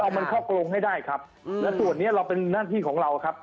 มันเคราะห์กลงให้ได้และส่วนนี้เราเป็นหน้าที่ของเรา